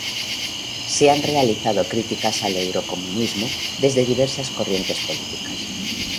Se han realizado críticas al eurocomunismo desde diversas corrientes políticas.